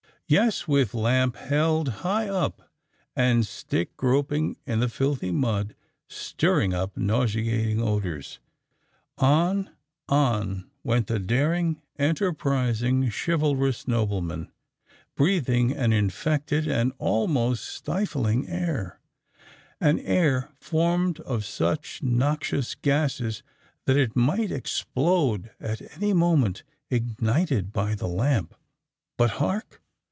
Yes: with lamp held high up, and stick groping in the filthy mud—stirring up nauseating odours,—on—on went the daring, enterprising, chivalrous nobleman—breathing an infected and almost stifling air,—an air formed of such noxious gases, that it might explode at any moment, ignited by the lamp! But, hark!